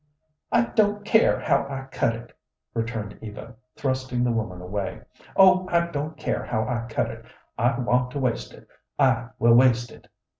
"I don't care how I cut it," returned Eva, thrusting the woman away. "Oh, I don't care how I cut it; I want to waste it. I will waste it."